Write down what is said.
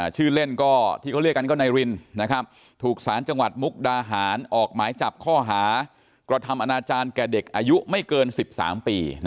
ชื่อเล่นก็ที่เขาเรียกกันก็นายรินถูกสารจังหวัดมุกดาหารออกหมายจับข้อหากระทำอนาจารย์แก่เด็กอายุไม่เกิน๑๓ปี